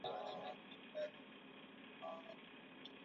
washia hawahesabu shahada ya nguzo tano